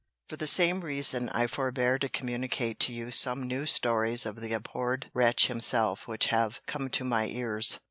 For the same reason, I forbear to communicate to you some new stories of the abhorred wretch himself which have come to my ears.